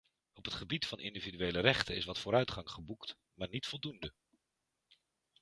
Op het gebied van individuele rechten is wat vooruitgang geboekt, maar niet voldoende.